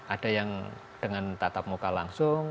ada yang dengan tatap muka langsung